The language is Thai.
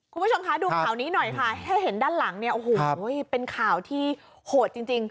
คุณผู้ชมคะดูข่าวนี้หน่อยค่ะแค่เห็นด้านหลังเนี่ยโอ้โหเป็นข่าวที่โหดจริง